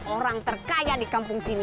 orang terkaya di kampung sini